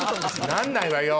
なんないわよ！